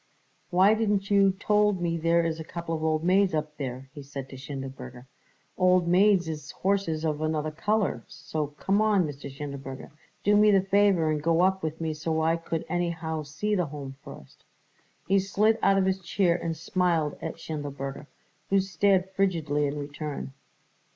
"Why didn't you told me there is a couple old maids up there?" he said to Schindelberger. "Old maids is horses of another colour; so come on, Mr. Schindelberger, do me the favour and go up with me so I could anyhow see the Home first." He slid out of his chair and smiled at Schindelberger, who stared frigidly in return.